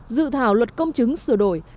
dự thảo luật công chứng sửa đổi